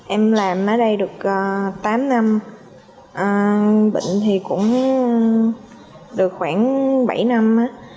em làm ở đây được tám năm bệnh thì cũng được khoảng bảy năm